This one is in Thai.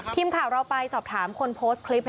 ทีมข่าวเราไปสอบถามคนโพสต์คลิป